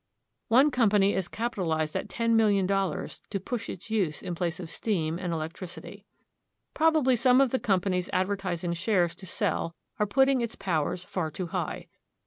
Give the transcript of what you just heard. One company is capitalized at $10,000,000 to push its use in place of steam and electricity. Probably some of the companies advertising shares to sell are putting its powers far too high.